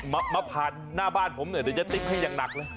มอลำคลายเสียงมาแล้วมอลำคลายเสียงมาแล้ว